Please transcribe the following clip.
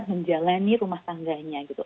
menjalani rumah tangganya gitu